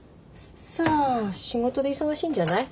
さあ仕事で忙しいんじゃない？